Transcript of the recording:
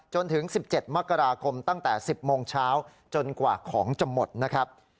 จนถึง๑๗มกราคมตั้งแต่๑๐โมงเช้าจนกว่าของจะหมดนะครับ